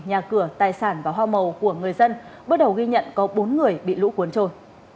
nhà cửa tài sản và hoa màu của người dân bước đầu ghi nhận có bốn người bị lũ cuốn trôi